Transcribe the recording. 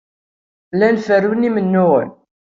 Llan ferrun imennuɣen.